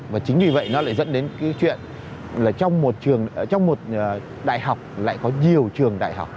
và chính vì vậy nó lại dẫn đến cái chuyện là trong một trường trong một đại học lại có nhiều trường đại học